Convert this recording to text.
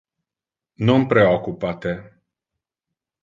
Non preoccupa te.